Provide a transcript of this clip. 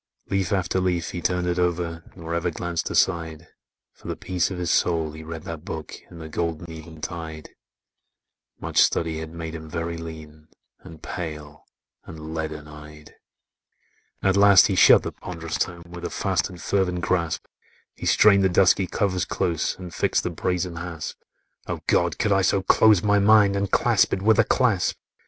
Leaf after leaf he turned it o'er Nor ever glanced aside, For the peace of his soul he read that book In the golden eventide: Much study had made him very lean, And pale, and leaden eyed. At last he shut the pond'rous tome, With a fast and fervent grasp He strained the dusky covers close, And fixed the brazen hasp; "Oh, God! could I so close my mind, And clasp it with a clasp!"